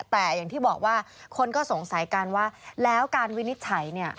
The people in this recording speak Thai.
แต่อย่างที่บอกว่าคนก็สงสัยกันว่าแล้วการวินิจฉัยเนี่ย